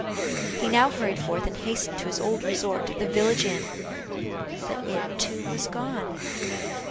He now hurried forth, and hastened to his old resort, the village inn but it too was gone.